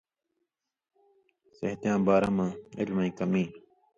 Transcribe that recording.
صحتی یاں بارہ مہ علمَیں کمی۔